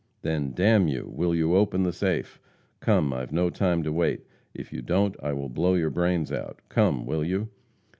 "Then, d n you, will you open the safe? Come, I've no time to wait. If you don't, I will blow your brains out. Come, will you?"